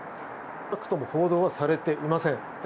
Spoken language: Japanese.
少なくとも報道はされていません。